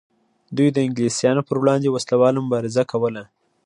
دوی د انګلیسانو پر وړاندې وسله واله مبارزه کوله.